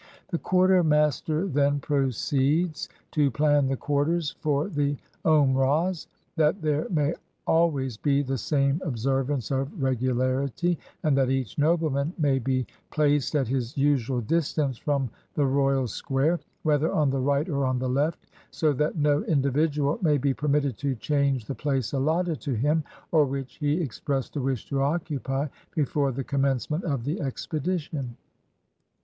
The quartermaster then proceeds to plan the quarters for the Omrahs, that there may always be the same ob servance of regularity, and that each nobleman may be placed at his usual distance from the royal square, whether on the right or on the left, so that no individual may be permitted to change the place allotted to him, or which he expressed a wish to occupy before the com mencement of the expedition.